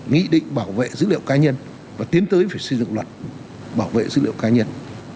nghị định bảo vệ dữ liệu cá nhân và tiến tới phải xây dựng luật bảo vệ dữ liệu cá nhân